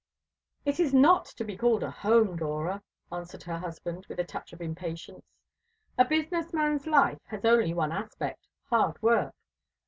"It is not to be called a home, Dora," answered her husband, with a touch of impatience. "A business man's life has only one aspect hard work.